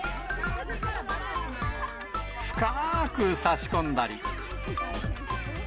深ーく差し込んだり。